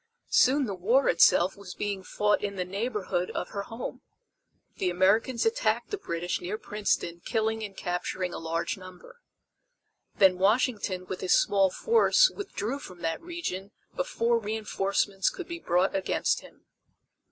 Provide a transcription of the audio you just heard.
Soon the war itself was being fought in the neighborhood of her home. The Americans attacked the British near Princeton killing and capturing a large number. Then Washington with his small force withdrew from that region before reenforcements could be brought against him.